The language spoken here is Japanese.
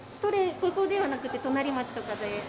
ここではなくて隣町とかで。